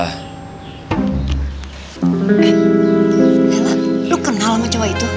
eh laila lu kenal sama cowok itu